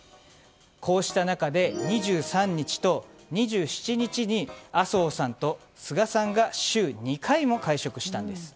こうした中で２３日と２７日に麻生さんと菅さんが週２回も会食したんです。